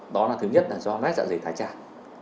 đó là thứ nhất là do nát dạ dày thái tràn